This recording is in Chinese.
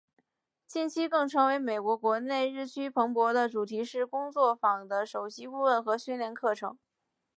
近期更成为美国国内日趋蓬勃的主题式工作坊的首席顾问和训练课程。